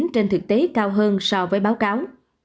trên thực tế cao hơn so với báo cáo